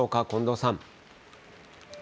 近藤さん。